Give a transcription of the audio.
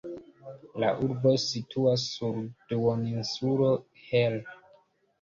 La urbo situas sur duoninsulo Hel.